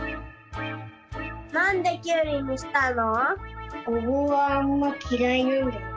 なんできゅうりにしたの？